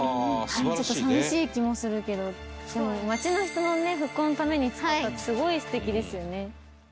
ちょっと寂しい気もするけどでも町の人のね復興のために使ったってすごい素敵ですよね。